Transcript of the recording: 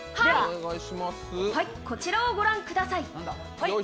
こちらを御覧ください。